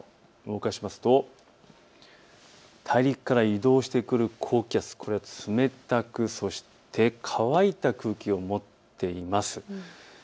動かしますと大陸から移動してくる高気圧、これが冷たく乾いた空気を持っています。